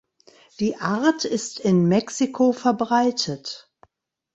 Die Art ist in Mexiko verbreitet.